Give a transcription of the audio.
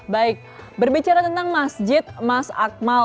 baik berbicara tentang masjid mas akmal